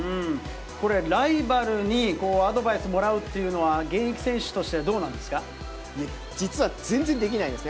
これ、ライバルにアドバイスもらうっていうのは、現役選手としてはどう実は全然できないんですね。